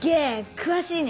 詳しいね。